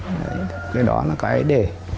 cái đó là cái để